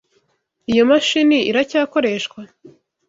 Iyo mashini iracyakoreshwa?